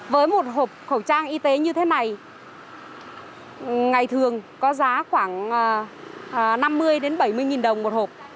với một hộp khẩu trang y tế như thế này ngày thường có giá khoảng năm mươi bảy mươi nghìn đồng một hộp